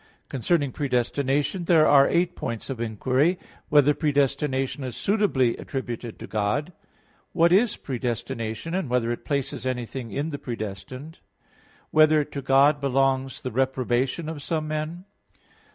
Concerning predestination there are eight points of inquiry: (1) Whether predestination is suitably attributed to God? (2) What is predestination, and whether it places anything in the predestined? (3) Whether to God belongs the reprobation of some men?